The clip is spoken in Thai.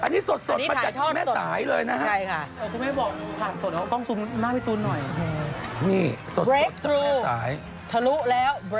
อันนี้สดมาจากแม่สายเลยนะฮะ